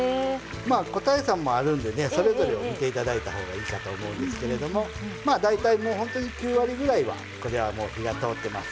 まあ個体差もあるんでねそれぞれを見ていただいたほうがいいかと思うんですけれども大体もうほんとに９割ぐらいはこれはもう火が通ってます。